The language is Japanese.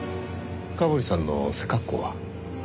深堀さんの背格好は？